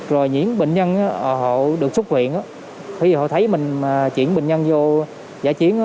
rồi những bệnh nhân họ được xuất viện khi họ thấy mình chuyển bệnh nhân vô giả chiến